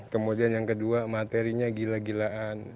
kemudian yang kedua materinya gila gilaan